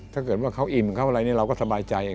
ถ้าเกิดว่าเขาอิ่มเขาอะไรนี่เราก็สบายใจ